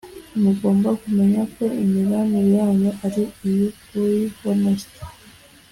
Mugomba kumenya ko imibanire yanyu ari iy’ukuri (honest)